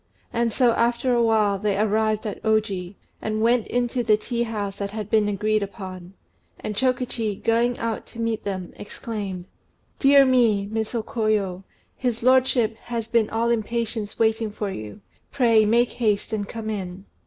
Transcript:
And so after a while, they arrived at Oji, and went into the tea house that had been agreed upon; and Chokichi, going out to meet them, exclaimed "Dear me, Miss O Koyo, his lordship has been all impatience waiting for you: pray make haste and come in."